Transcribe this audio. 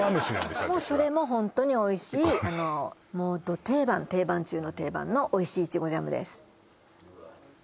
私はもうそれもホントにおいしいあのもうど定番定番中の定番のおいしいイチゴジャムです